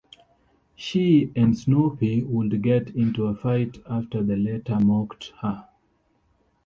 She and Snoopy would get into a fight after the latter mocked her.